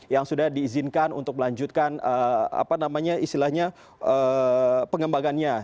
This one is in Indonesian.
yang sudah diizinkan untuk melanjutkan apa namanya istilahnya pengembangannya